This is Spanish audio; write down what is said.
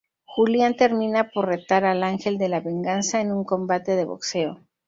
Julian termina por retar al Ángel de la Venganza en un combate de boxeo.